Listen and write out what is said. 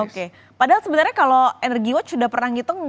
oke padahal sebenarnya kalau energi watch sudah pernah ngitung